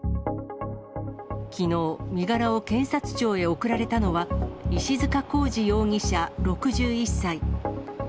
きのう、身柄を検察庁に送られたのは、石塚孝司容疑者６１歳。